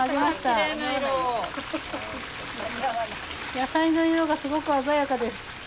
野菜の色がすごく鮮やかです。